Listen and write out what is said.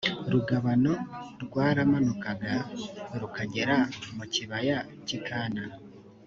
rugabano rwaramanukaga rukagera mu kibaya cy i kana